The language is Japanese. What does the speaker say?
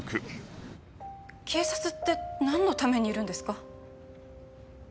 警察ってなんのためにいるんですか？